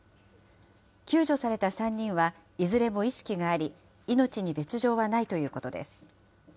救助された３人は、いずれも意識があり、命に別状はないということです。